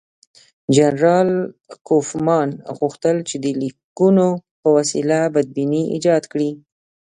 جنرال کوفمان غوښتل چې د لیکونو په وسیله بدبیني ایجاد کړي.